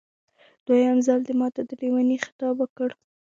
دویم ځل دې ماته د لېوني خطاب وکړ.